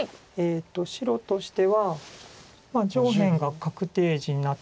白としては上辺が確定地になってまして。